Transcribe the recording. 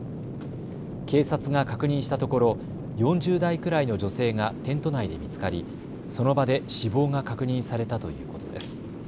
警察が確認したところ４０代くらいの女性がテント内で見つかり、その場で死亡が確認されたということです。